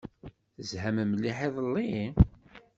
Tezham mliḥ iḍelli?